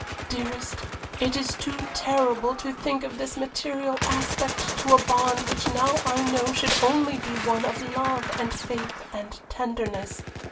Dearest, it is too terrible to think of this material aspect to a bond which now I know should only be one of love and faith and tenderness.